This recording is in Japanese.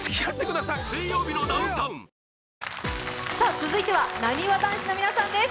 続いては、なにわ男子の皆さんです。